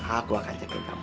aku akan jaga kamu